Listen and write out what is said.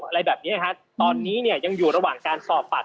อะไรแบบนี้ตอนนี้ยังอยู่ระหว่างการสอบฝัด